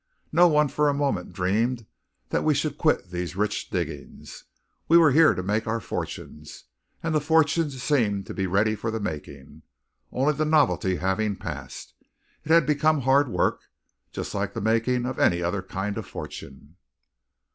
No one for a moment dreamed that we should quit these rich diggings. We were here to make our fortunes; and the fortunes seemed to be ready for the making. Only the novelty having passed, it had become hard work, just like the making of any other kind of a fortune.